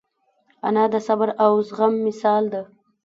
انا د صبر او زغم مثال ده